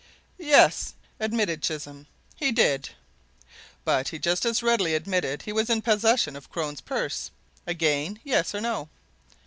"Yes!" admitted Chisholm; "he did." "But he just as readily admitted he was in possession of Crone's purse? Again yes or no?"